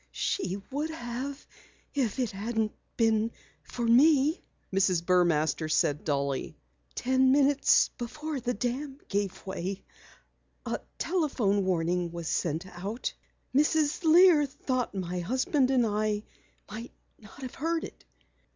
"She would have if it hadn't been for me," Mrs. Burmaster said dully. "Ten minutes before the dam gave way, a telephone warning was sent out. Mrs. Lear thought my husband and I might not have heard it.